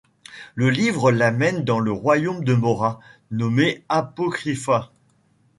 Le livre l'amène dans le royaume de Mora, nommé Apocrypha.